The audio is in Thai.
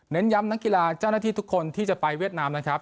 ย้ำนักกีฬาเจ้าหน้าที่ทุกคนที่จะไปเวียดนามนะครับ